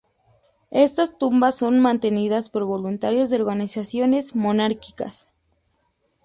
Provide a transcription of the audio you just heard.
Estas tumbas son mantenidas por voluntarios de organizaciones monárquicas.